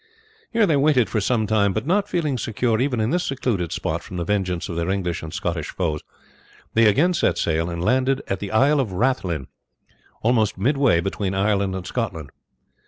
Here they waited for some time, but not feeling secure even in this secluded spot from the vengeance of their English and Scottish foes, they again set sail and landed at the Isle of Rathlin, almost midway between Ireland and Scotland.